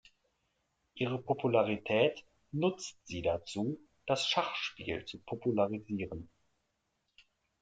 Ihre Popularität nutzt sie dazu, das Schachspiel zu popularisieren.